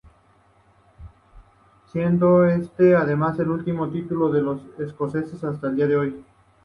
Siendo este además el último título de los escoceses, hasta el día de hoy.